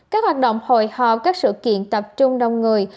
các hoạt động hồi họp các sự kiện tập trung đông người